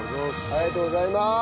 ありがとうございます。